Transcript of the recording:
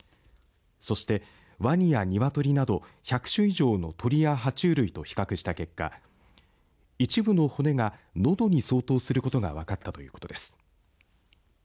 そしてわにや鶏など１００種類以上の鳥やは虫類と比較した結果一部の骨がのどに相当することが分かったということです。